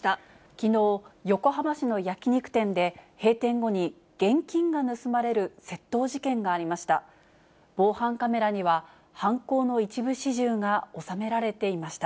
きのう、横浜市の焼き肉店で閉店後に現金が盗まれる窃盗事件がありました。